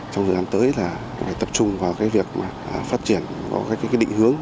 trong thời gian tới là phải tập trung vào cái việc phát triển có các định hướng